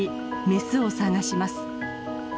メスを探します。